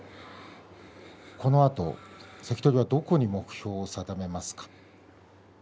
このあと関取はどこに目標を定めますか？